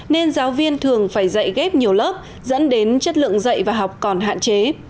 nên giáo viên thường phải dạy ghép nhiều lớp dẫn đến chất lượng dạy và học còn hạn chế